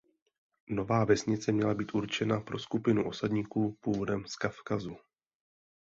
Nová vesnice měla být určena pro skupinu osadníků původem z Kavkazu.